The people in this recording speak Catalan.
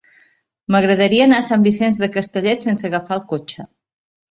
M'agradaria anar a Sant Vicenç de Castellet sense agafar el cotxe.